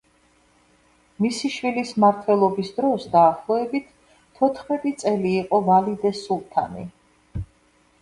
მისი შვილის მმართველობის დროს დაახლოებით თოთხმეტი წელი იყო ვალიდე სულთანი.